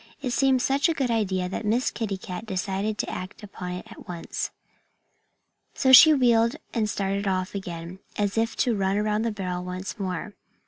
It seemed such a good idea that Miss Kitty Cat decided to act upon it at once. So she wheeled and started off again, as if to run around the barrel once more.